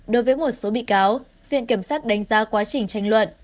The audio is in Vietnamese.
đối với một số bị cáo viện kiểm sát đánh giá quá trình tranh luận